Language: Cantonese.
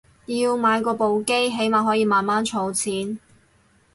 要買過部機起碼可以慢慢儲錢